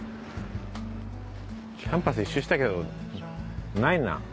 キャンパス１周したけどないな。